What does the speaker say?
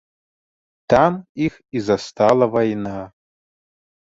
Там іх і застала вайна.